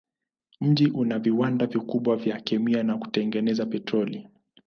Mji una viwanda vikubwa vya kemia na kutengeneza petroli.